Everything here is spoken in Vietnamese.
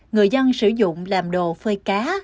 người dân sử dụng làm đồ phơi cá